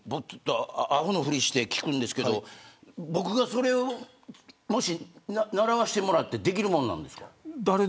アホのふりして聞くんですが僕がそれをもし習わせてもらってできるものなんですか。